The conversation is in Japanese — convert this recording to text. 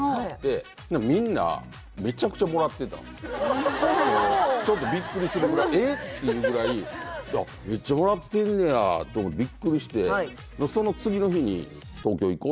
みんなちょっとビックリするぐらい「えっ！？」っていうぐらいめっちゃもらってんねやってビックリしてえ！？